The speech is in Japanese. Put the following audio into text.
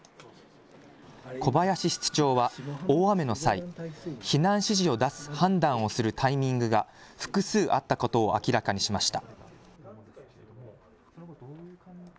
小林室長は大雨の際、避難指示を出す判断をするタイミングが複数あったことを明らかにしました。